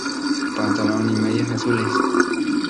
Pantalón y medias azules.